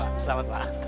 hai pak selamat pak